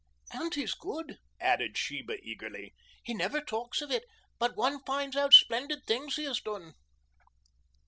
"And he's good," added Sheba eagerly. "He never talks of it, but one finds out splendid things he has done."